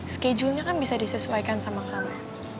schedulenya kan bisa disesuaikan sama kamu